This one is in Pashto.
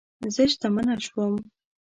زه شتمنه شوم